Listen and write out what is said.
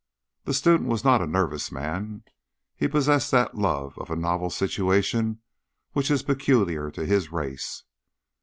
The student was not a nervous man. He possessed that love of a novel situation which is peculiar to his race.